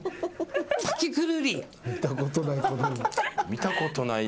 見たことない。